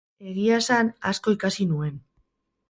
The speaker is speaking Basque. Egia esan, asko ikasi nuen.